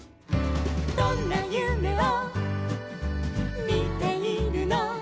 「どんなゆめをみているの」